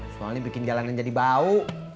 soalnya bikin jalanan jadi bau